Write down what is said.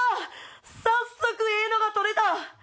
早速ええのが採れた！